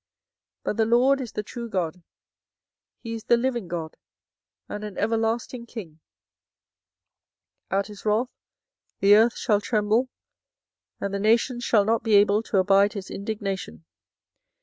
24:010:010 But the LORD is the true God, he is the living God, and an everlasting king: at his wrath the earth shall tremble, and the nations shall not be able to abide his indignation.